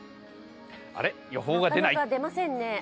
あれ、予報が出ない。